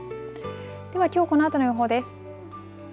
では、きょうこのあとの予報です。